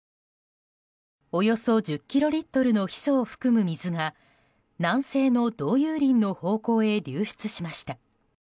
およそ１０キロリットルのヒ素を含む水が南西の道有林の方向へ流出しました。